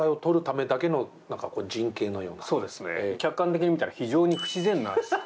客観的に見たら非常に不自然な。